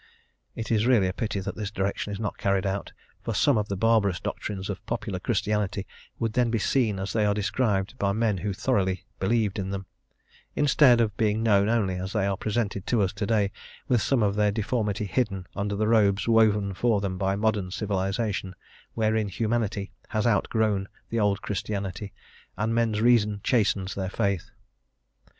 It is really a pity that this direction is not carried out, for some of the barbarous doctrines of popular Christianity would then be seen as they are described by men who thoroughly believed in them, instead of being known only as they are presented to us to day, with some of their deformity hidden under the robes woven for them by modern civilisation, wherein humanity has outgrown the old Christianity, and men's reason chastens their faith.